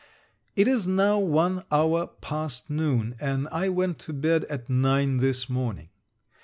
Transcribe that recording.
It is now one hour past noon, and I went to bed at nine this morning.